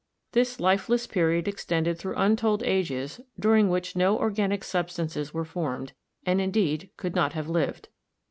This life less period extended through untold ages during which no organic substances were formed, and indeed could not have lived.